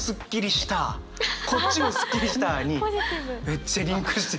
こっちもすっきりしたにめっちゃリンクしてるっていう。